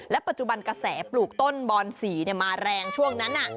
ปัจจุบันกระแสปลูกต้นบอนสีมาแรงช่วงนั้น